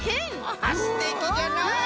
あすてきじゃな！